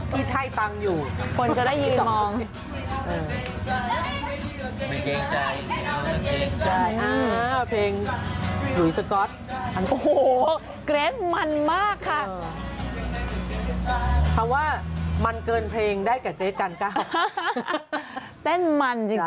ที่ใช่ตังค์อยู่คนจะได้ยืนมอง